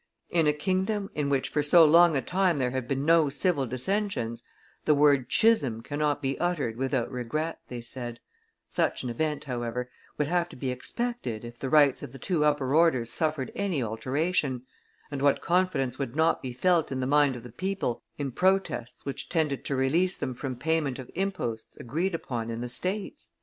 "In a kingdom in which for so long a time there have been no civil dissensions, the word schism cannot be uttered without regret," they said; "such an event, however, would have to be expected if the rights of the two upper orders suffered any alteration, and what confidence would not be felt in the mind of the people in protests which tended to release them from payment of imposts agreed upon in the states?"